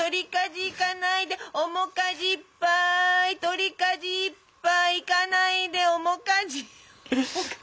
いかないで面かじいっぱい取りかじいっぱいいかないで面かじ面かじ。